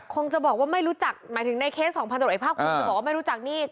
คงจะบอกว่าไม่รู้จักหมายถึงในเคสของพันตรวจเอกภาคภูมิจะบอกว่าไม่รู้จักนี่